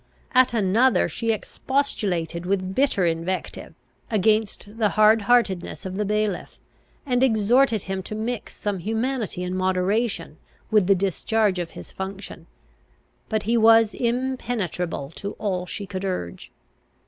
At another she expostulated, with bitter invective, against the hardheartedness of the bailiff, and exhorted him to mix some humanity and moderation with the discharge of his function; but he was impenetrable to all she could urge.